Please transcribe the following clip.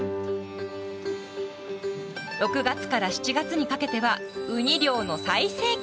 ６月から７月にかけてはウニ漁の最盛期。